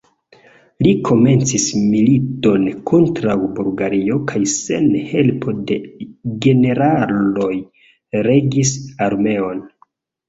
Li komencis militon kontraŭ Bulgario kaj sen helpo de generaloj regis armeon.